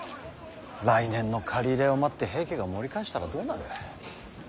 来年の刈り入れを待って平家が盛り返したらどうなる。